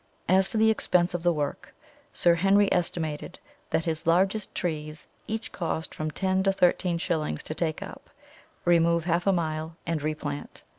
As for the expense of the work, Sir Henry estimated that his largest trees each cost from ten to thirteen shillings to take up, remove half a mile, and replant.